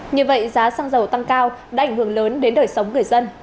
như vậy giá xăng dầu tăng cao đã ảnh hưởng lớn đến đời sống người dân